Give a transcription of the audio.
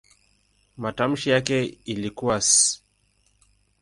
Matamshi yake ilikuwa "s".